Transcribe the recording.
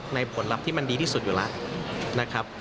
ผลลัพธ์ที่มันดีที่สุดอยู่แล้วนะครับ